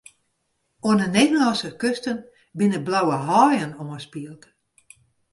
Oan 'e Nederlânske kusten binne blauwe haaien oanspield.